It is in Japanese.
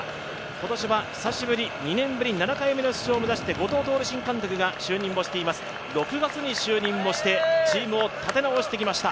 今年は久しぶり、２年ぶり、７回目の出場を目指して後藤透監督が６月に就任をしてチームを立て直してきました。